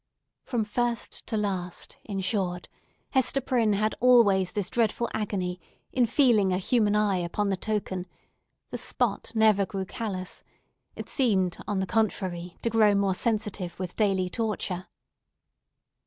From first to last, in short, Hester Prynne had always this dreadful agony in feeling a human eye upon the token; the spot never grew callous; it seemed, on the contrary, to grow more sensitive with daily torture.